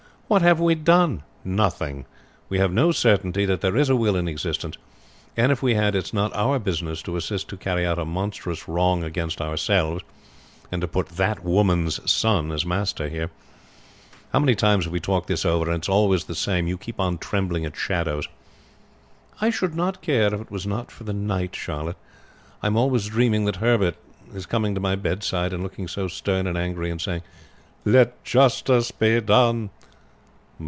What have we done? Nothing. We have no certainty that there is a will in existence; and if we had, it's not our business to assist to carry out a monstrous wrong against ourselves, and to put that woman's son as master here. How many times have we talked this over, and it's always the same. You keep on trembling at shadows." "I should not care if it was not for the night, Charlotte. I am always dreaming that Herbert is coming to my bedside and looking so stern and angry, and saying, 'Let justice be done.'"